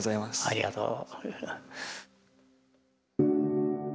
ありがとう。